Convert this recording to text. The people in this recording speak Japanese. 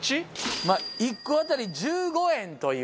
１個当たり１５円というね。